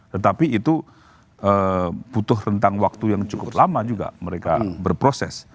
tetapi itu butuh rentang waktu yang cukup lama juga mereka berproses